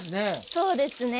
そうですね。